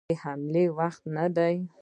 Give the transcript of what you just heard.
د حملې وخت نه دی.